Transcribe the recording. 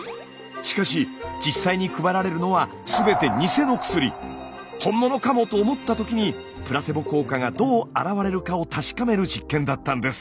しかし実際に配られるのは「本物かも」と思った時にプラセボ効果がどうあらわれるかを確かめる実験だったんです。